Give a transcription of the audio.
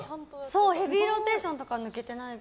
「ヘビーローテーション」とかは抜けてない。